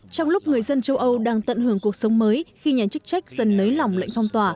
trong lúc người dân châu âu đang tận hưởng cuộc sống mới khi nhà chức trách dần nới lỏng lệnh phong tỏa